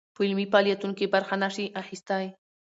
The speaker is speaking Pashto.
په علمي فعاليتونو کې برخه نه شي اخىستى